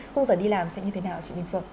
không giờ đi làm sẽ như thế nào chị minh phượng